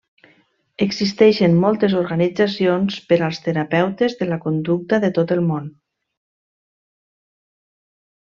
Existeixen moltes organitzacions per als terapeutes de la conducta de tot el món.